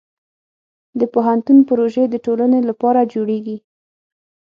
د پوهنتون پروژې د ټولنې لپاره جوړېږي.